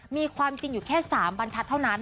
มีความจริงอยู่แค่๓บรรทัศน์เท่านั้น